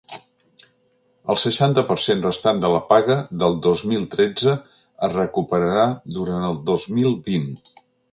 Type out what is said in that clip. El seixanta per cent restant de la paga del dos mil tretze es recuperarà durant el dos mil vint.